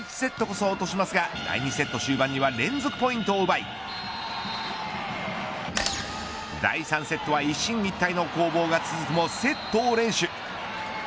第１セットこそ落としますが第２セット終盤には連続ポイントを奪い第３セットは一進一退の攻防が続くもセットを連取。